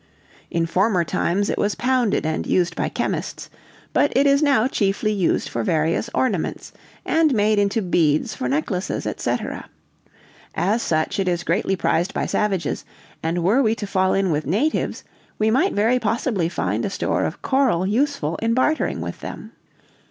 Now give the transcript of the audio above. "In former times it was pounded and used by chemists; but it is now chiefly used for various ornaments, and made into beads for necklaces, etc. As such, it is greatly prized by savages, and were we to fall in with natives, we might very possibly find a store of coral useful in bartering with them.